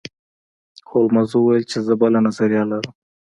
هولمز وویل چې زه بله نظریه لرم.